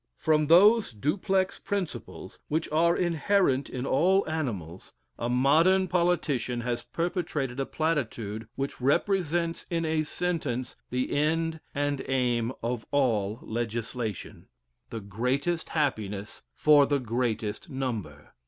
From those duplex principles which are inherent in all animals, a modern politician has perpetrated a platitude which represents in a sentence the end and aim of all legislation, "the greatest happiness for the greatest number."